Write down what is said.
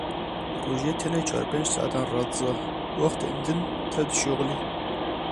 Rojê tenê çar pênc saetan radiza, wextên din tev dişixulî.